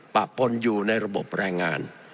ปะปนอยู่ในระบบแรงงาน